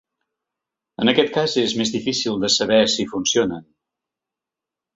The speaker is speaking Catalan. En aquest cas és més difícil de saber si funcionen.